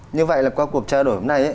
như vậy là qua cuộc trao đổi hôm nay